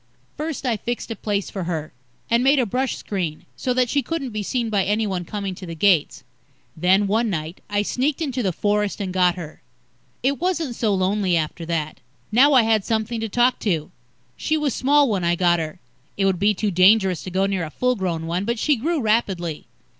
First I fixed a place for her, and made a brush screen, so that she couldn't be seen by anyone coming to the gates. Then, one night, I sneaked into the forest and got her. It wasn't so lonely after that. Now I had something to talk to. She was small when I got her it would be too dangerous to go near a full grown one but she grew rapidly.